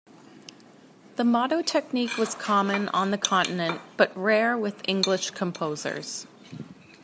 The motto technique was common on the continent, but rare with English composers.